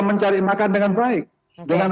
mencari makan dengan baik dengan